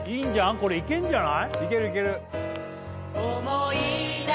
これいけんじゃない？